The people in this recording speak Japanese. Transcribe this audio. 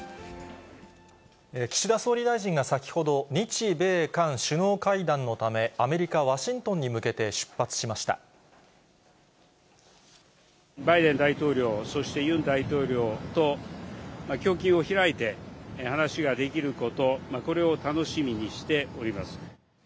岸田総理大臣が先ほど、日米韓首脳会談のため、アメリカ・ワシントンに向けて出発しましバイデン大統領、そしてユン大統領と胸襟を開いて話ができること、これを楽しみにしております。